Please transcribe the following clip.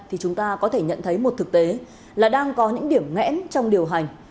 thì chúng ta có thể nhận thấy một thực tế là đang có những điểm ngẽn trong điều hành